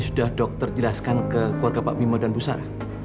sudah dokter jelaskan ke keluarga pak bimo dan bussar